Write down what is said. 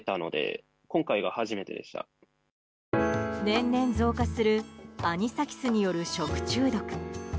年々、増加するアニサキスによる食中毒。